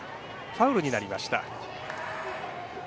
ファウルになりました。